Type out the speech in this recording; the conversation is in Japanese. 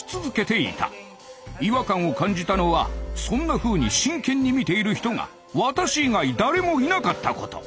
違和感を感じたのはそんなふうに真剣に見ている人が私以外誰もいなかったこと。